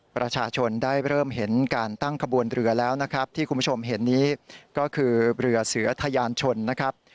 ประชาชนได้เริ่มเห็นการตั้งขบวนเรือแล้วนะครับที่คุณผู้ชมเห็นนี้ก็คือเรือเสือทะยานชนนะครับ